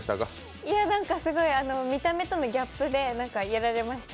すごい見た目とのギャップでやられました。